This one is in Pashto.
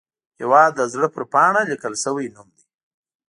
هیواد د زړه پر پاڼه لیکل شوی نوم دی